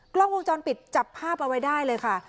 กล้องวงจรปิดจับภาพเอาไว้ได้เลยค่ะ